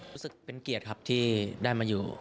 รู้สึกเป็นเกียรติครับที่ได้มาอยู่